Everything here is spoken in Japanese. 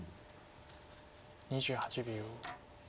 ２８秒。